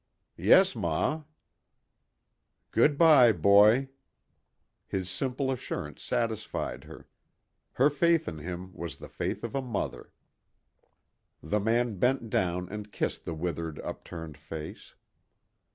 "Yes, ma." "Good bye, boy." His simple assurance satisfied her. Her faith in him was the faith of a mother. The man bent down and kissed the withered, upturned face.